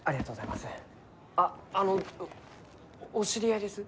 あっあのお知り合いです？